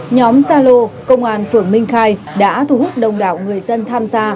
nhóm zalo công an phường minh khay đã thu hút đông đảo người dân tham gia